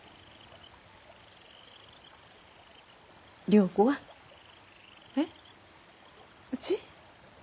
良子は？えっ？うち？